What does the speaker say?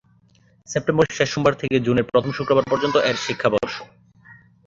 সেপ্টেম্বরের শেষ সোমবার থেকে জুনের প্রথম শুক্রবার পর্যন্ত এর শিক্ষাবর্ষ।